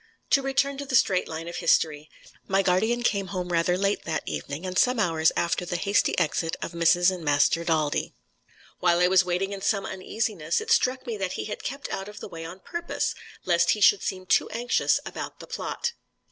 To return to the straight line of history. My guardian came home rather late that evening, and some hours after the hasty exit of Mrs. and Master Daldy. While I was waiting in some uneasiness, it struck me that he had kept out of the way on purpose, lest he should seem too anxious about the plot.